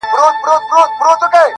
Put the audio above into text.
چي بیا يې ونه وینم ومي نه ويني.